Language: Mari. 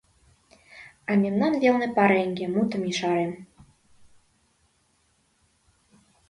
— А мемнан велне — пареҥге, — мутым ешарем.